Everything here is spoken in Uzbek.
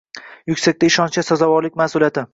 Yuksak ishonchga sazovorlik mas’uliyati